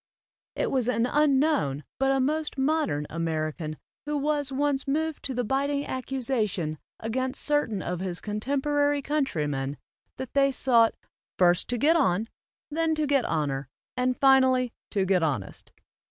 It was an unknown but a most modern American who was once moved to the biting accusation against certain of his contemporary countrymen that they sought "first, to get on, then to get honor, and finally to get honest."